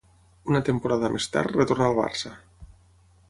Una temporada més tard retornà al Barça.